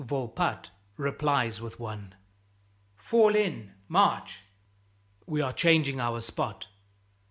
Volpatte replies with one. Fall in! March! We are changing our spot.